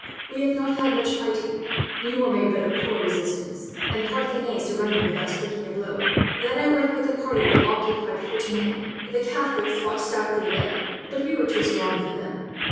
We have not had much fighting. Niort made but a poor resistance, and Parthenay surrendered without striking a blow; then I went with the party that occupied Fontenay. The Catholics fought stoutly there, but we were too strong for them.